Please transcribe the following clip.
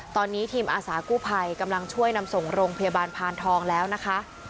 ตอนนี้ทีมอาสากู้ภัยกำลังช่วยนำส่งโรงพยาบาลพานทองแล้วนะคะ